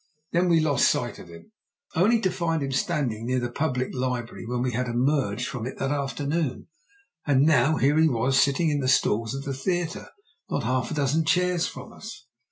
Then we lost sight of him, only to find him standing near the public library when we had emerged from it that afternoon, and now here he was sitting in the stalls of the theatre not half a dozen chairs from us.